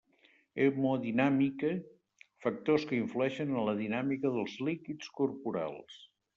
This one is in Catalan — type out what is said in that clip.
Hemodinàmica: factors que influeixen en la dinàmica dels líquids corporals.